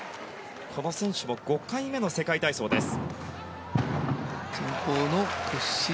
この選手も５回目の世界体操です。